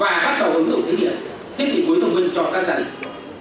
và bắt đầu ứng dụng cái điện thiết bị cuối thông minh cho các gia đình